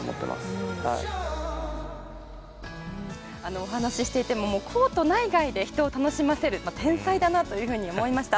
お話ししててもコート内外で人を楽しませる天才だなというふうに思いました。